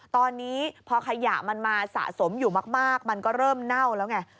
ตอนนี้พอขยะมันมาสะสมอยู่มากมันก็เริ่มเน่าแล้วไง